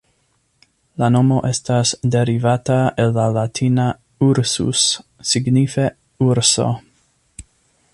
La nomo estas derivata el la Latina "ursus", signife "urso".